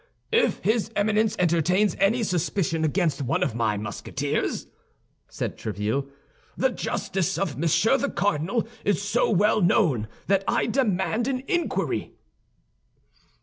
"If his Eminence entertains any suspicion against one of my Musketeers," said Tréville, "the justice of Monsieur the Cardinal is so well known that I demand an inquiry."